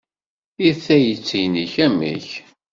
I tayet-nnek, amek?